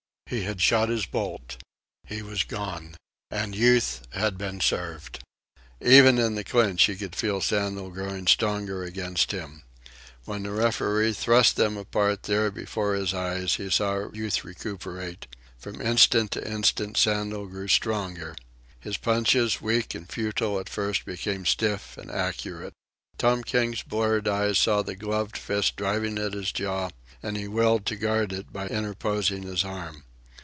He had shot his bolt. He was gone. And Youth had been served. Even in the clinch he could feel Sandel growing stronger against him. When the referee thrust them apart, there, before his eyes, he saw Youth recuperate. From instant to instant Sandel grew stronger. His punches, weak and futile at first, became stiff and accurate. Tom King's bleared eyes saw the gloved fist driving at his jaw, and he willed to guard it by interposing his arm.